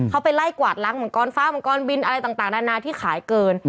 เขาไปไล่กวาดลังเหมือนกรฟ้าเหมือนกรบินอะไรต่างดันนะที่ขายเกิน